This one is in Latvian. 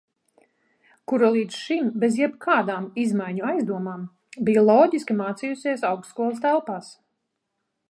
Kura līdz šim bez jebkādām izmaiņu aizdomām bija loģiski mācījusies augstskolas telpās.